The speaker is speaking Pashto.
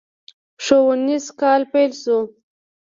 ښوونيز کال پيل شو.